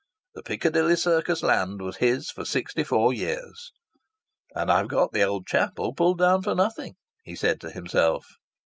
The Piccadilly Circus land was his for sixty four years. "And I've got the old Chapel pulled down for nothing," he said to himself.